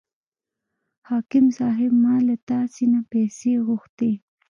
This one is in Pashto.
حاکم صاحب ما له تاسې نه پیسې غوښتې.